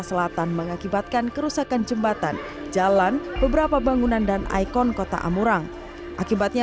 selatan mengakibatkan kerusakan jembatan jalan beberapa bangunan dan ikon kota amurang akibatnya